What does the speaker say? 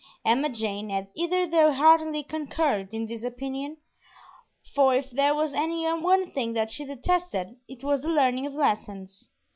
Emma Jane had hitherto heartily concurred in this opinion, for if there was any one thing that she detested it was the learning of lessons.